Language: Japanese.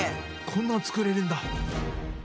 こんなの作れるんだ。